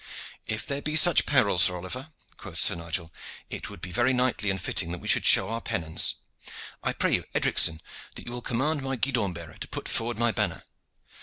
"If there be such peril, Sir Oliver," quoth Sir Nigel, "it would be very knightly and fitting that we should show our pennons. I pray you, Edricson, that you will command my guidon bearer to put forward my banner."